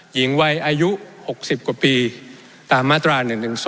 หญิงวัยอายุ๖๐กว่าปีตามมาตรา๑๑๒